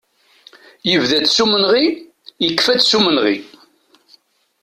Yebda-tt s umenɣi, yekfa-tt s umenɣi.